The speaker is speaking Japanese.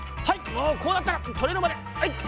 もうこうなったらとれるまではい！